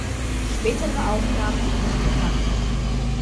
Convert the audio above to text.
Spätere Aufnahmen sind nicht bekannt.